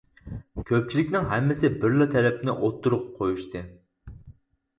كۆپچىلىكنىڭ ھەممىسى بىرلا تەلەپنى ئوتتۇرىغا قۇيۇشتى.